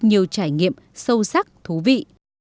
nhiều trải nghiệm sâu sắc thú vị